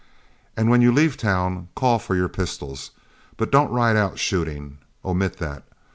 And when you leave town, call for your pistols, but don't ride out shooting; omit that.